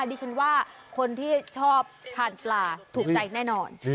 ดิฉันว่าคนที่ชอบทานปลาถูกใจแน่นอน